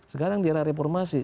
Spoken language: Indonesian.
sekarang di era reformasi